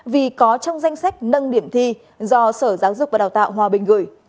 vì có trong danh sách nâng điểm thi do sở giáo dục và đào tạo hòa bình gửi